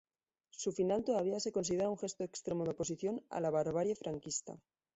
Su final todavía se considera un gesto extremo de oposición a la barbarie franquista.